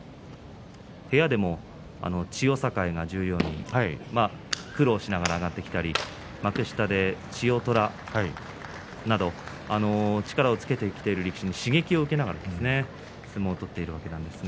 部屋でも千代栄が十両にいて苦労しながら上がってきた時に幕下で千代虎など力をつけてきている力士に刺激を受けながら相撲を取っているということです。